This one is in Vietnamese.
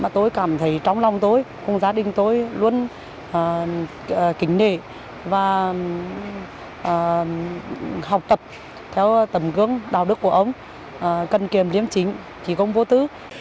tôi cảm thấy trong lòng tôi cùng gia đình tôi luôn kính nể và học tập theo tầm gương đạo đức của ông cân kiềm liếm chính chỉ công vô tứ